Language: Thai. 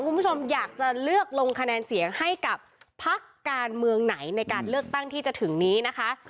คุณผู้ชมอยากจะเลือกลงคะแนนเสียงให้กับพักการเมืองไหนในการเลือกตั้งที่จะถึงนี้นะคะ